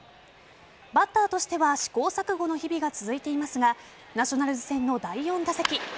バッターとしては試行錯誤の日々が続いていますがナショナルズ戦の第４打席。